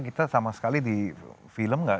kita sama sekali di film nggak